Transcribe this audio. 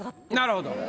なるほど。